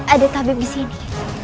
ada tabib disini